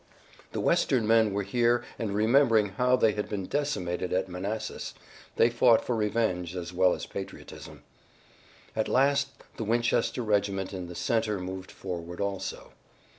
The western men were here and remembering how they had been decimated at Manassas, they fought for revenge as well as patriotism. At last the Winchester regiment in the center moved forward also.